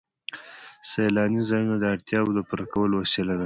سیلاني ځایونه د اړتیاوو د پوره کولو وسیله ده.